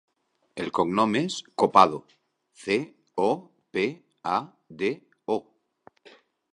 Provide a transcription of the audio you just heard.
El cognom és Copado: ce, o, pe, a, de, o.